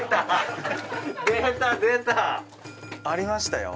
ありましたよ。